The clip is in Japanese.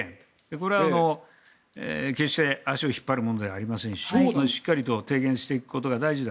これは決して足を引っ張るものではありませんししっかり提言していくことが大事だ。